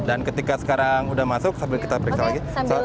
dan ketika sekarang sudah masuk sambil kita beriksa lagi